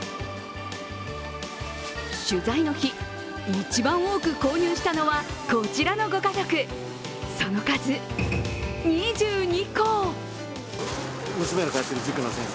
取材の日、一番多く購入したのはこちらのご家族、その数２２個。